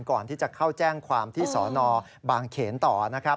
ก่อนที่จะเข้าแจ้งความที่สนบางเขนต่อนะครับ